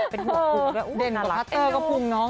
เป็นหัวขุมน่ารักเป็นอยู่ด่งกับฮัตเตอร์กระพุงน้อง